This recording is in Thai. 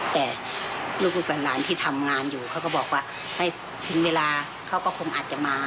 แต่ลูกหลานที่ทำงานอยู่เขาก็บอกว่าให้ถึงเวลาเขาก็คงอาจจะมา